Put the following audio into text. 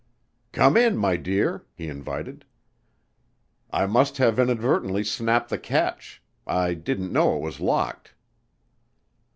"Come in, my dear," he invited. "I must have inadvertently snapped the catch. I didn't know it was locked."